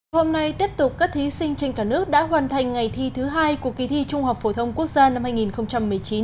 hôm nay tiếp tục các thí sinh trên cả nước đã hoàn thành ngày thi thứ hai của kỳ thi trung học phổ thông quốc gia năm hai nghìn một mươi chín